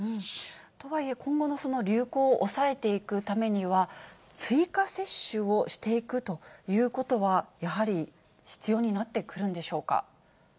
とはいえ、今後の流行を抑えていくためには、追加接種をしていくということは、やはり必要になってくるんでしょうか。